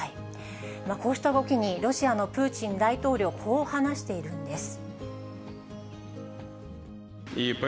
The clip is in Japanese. こうした動きにロシアのプーチン大統領、こう話しているんです。